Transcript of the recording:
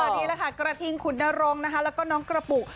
อ๋อดีนะคะกระทิงขุนาโรงและก็น้องกระปุก